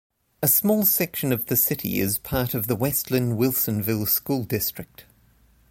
A small section of the city is part of the West Linn-Wilsonville School District.